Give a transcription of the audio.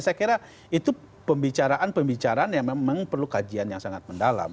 saya kira itu pembicaraan pembicaraan yang memang perlu kajian yang sangat mendalam